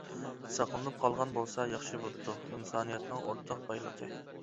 ساقلىنىپ قالغان بولسا ياخشى بوپتۇ، ئىنسانىيەتنىڭ ئورتاق بايلىقى.